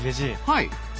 はい。